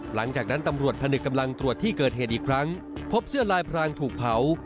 หลังจากนั้นตำรวจพนึกกำลังตรวจที่เกิดเหตุอีกครั้งพบเสื้อลายพรางถูกเผา